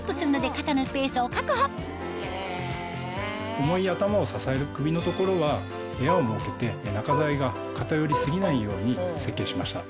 肩のスペースを確保重い頭を支える首の所は部屋を設けて中材が片寄り過ぎないように設計しました。